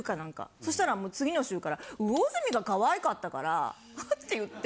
そしたらもう次の週から「魚住がかわいかったから」って言って。